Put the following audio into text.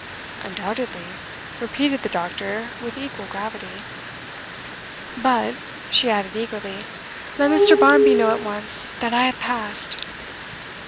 'Undoubtedly,' repeated the doctor, with equal gravity. 'But,' she added eagerly, 'let Mr. Barmby know at once that I have passed.